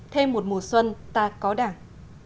thêm một mùa xuân ta có đảng